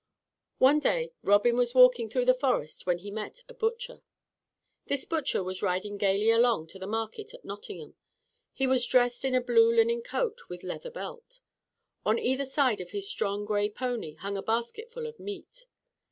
One day Robin was walking through the forest when he met a butcher. This butcher was riding gaily along to the market at Nottingham. He was dressed in a blue linen coat, with leather belt. On either side of his strong gray pony hung a basket full of meat.